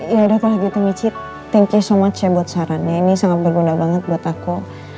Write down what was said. yaudah terima kasih banget ya buat sarannya ini sangat berguna banget buat aku